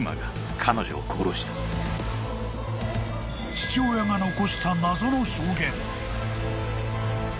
［父親が残した謎の証言］